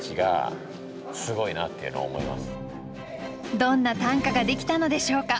どんな短歌ができたのでしょうか？